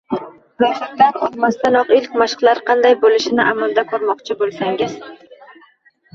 Ro’yxatdan o’tmasdanoq ilk mashqlar qanday bo’lishini amalda ko’rmoqchi bo’lsangiz